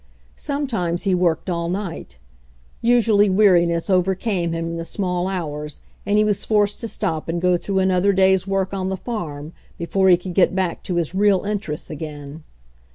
Sometimes he worked all night. Usually weari ness overcame him in the small hours and he was forced to stop and go through another day's work on the farm before he could get back to his real interests again.